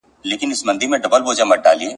یوه ورځ به خپلي غوښي تر دېګدان وړي ,